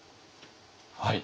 はい。